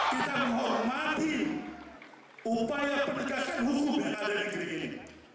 kita menghormati upaya penegakan hukum yang ada di negeri ini